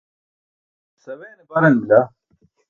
Saweene baran bila.